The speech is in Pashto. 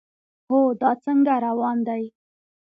هو، دا څنګه روان دی؟